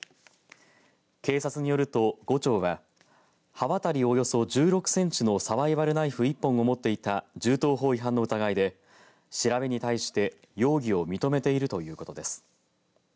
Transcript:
警察によると伍長は刃渡りおよそ１６センチのサバイバルナイフ１本を持っていた銃刀法違反の疑いで調べに対して容疑を認めているということです。